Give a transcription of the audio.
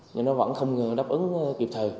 nhưng nó vẫn không đáp ứng kịp thời